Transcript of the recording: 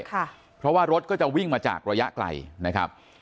เพราะว่ารถก็จะวิ่งมาจากระยะไกลนะครับ